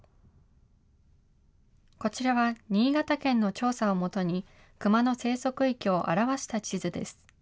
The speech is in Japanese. こちらは新潟県の調査をもとにクマの生息域を表した地図です。